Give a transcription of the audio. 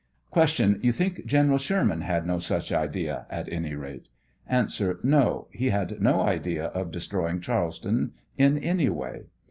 Q. You think General Sherman had no such idea at any rate ? A. No; he had no idea of destroying Charleston in any way.